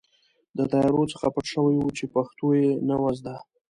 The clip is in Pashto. د طیارو څخه پټ شوي وو چې پښتو یې نه وه زده.